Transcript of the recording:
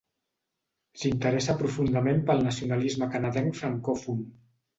S'interessa profundament pel nacionalisme canadenc francòfon.